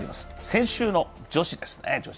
先週の女子ですね。